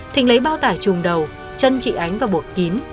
thịnh lấy bao tải trùm đầu chân chị ánh và bột kín